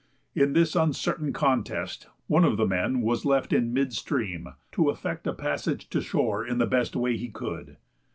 In this uncertain contest, one of the men was left in mid stream to effect a passage to shore in the best way he could.